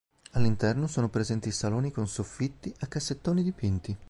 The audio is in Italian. All'interno sono presenti saloni con soffitti a cassettoni dipinti.